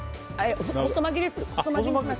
細巻きです。